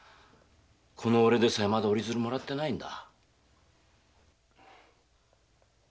この俺でさえまだ折り鶴をもらってないんだ。